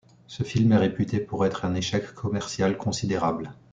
Ce film est réputé pour être un échec commercial considérable.